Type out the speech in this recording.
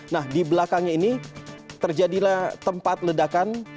nah di belakangnya ini terjadilah tempat ledakan